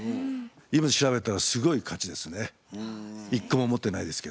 今調べたらすごい価値ですね。